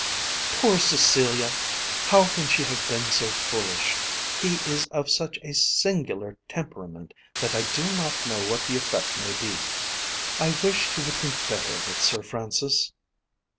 "Poor Cecilia! How can she have been so foolish! He is of such a singular temperament that I do not know what the effect may be. I wish you would think better of it, Sir Francis."